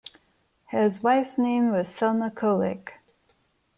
His wife's name was Selma Kulik.